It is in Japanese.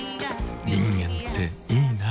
人間っていいナ。